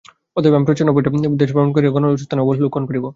অতএব আমি প্রচ্ছন্ন বেশে দেশভ্রমণ করিয়া প্রজাগণের অবস্থা অবলোকন করিব।